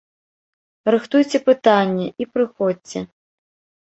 Рыхтуйце пытанні і прыходзьце!